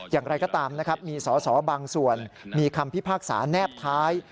อย่างไรก็ตามนะครับมีสอสอบางส่วนมีคำพิพากษาแนบท้าย